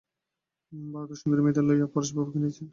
বরদাসুন্দরী ও মেয়েদের লইয়া পরেশবাবু ফিরিয়াছেন।